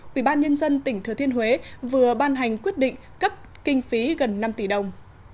quỹ ban nhân dân tỉnh thừa thiên huế vừa ban hành quyết định cấp kinh phí gần năm tỷ đồng